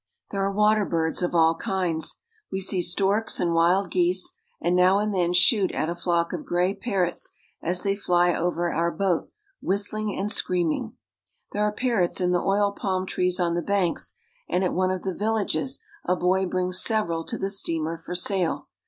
^^^P There are water birds of all kinds. We see storks and ^^H wild geese, and now and then shoot at a flock of gray I ■ Nal ves of Stanley Pool. parrots as they fly over our boat, whistling and screaming. There are parrots in the oil palm trees on the banks, and at one of the villages a boy brings several to the steamer for sale.